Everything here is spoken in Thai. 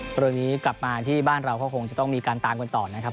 เรื่องนี้กลับมาที่บ้านเราก็คงจะต้องมีการตามกันต่อนะครับ